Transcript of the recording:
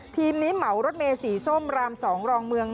ทีมนี้เหมารถเมสีส้มราม๒รองเมือง